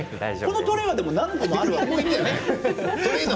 このトレーは何個もあるの？